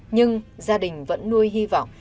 nhưng gia đình vẫn nuôi hy vọng